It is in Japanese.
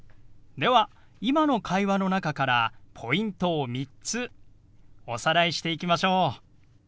では今の会話の中からポイントを３つおさらいしていきましょう。